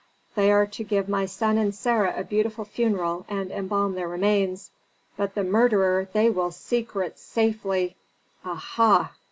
They are to give my son and Sarah a beautiful funeral, and embalm their remains. But the murderer they will secrete safely. Aha!